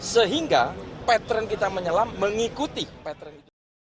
sehingga pattern kita menyelam mengikuti pattern itu